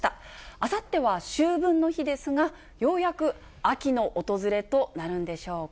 あさっては秋分の日ですが、ようやく秋の訪れとなるんでしょうか。